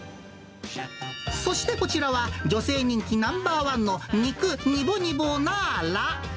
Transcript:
そしてこちらは、女性人気ナンバー１の肉にぼにぼなーら。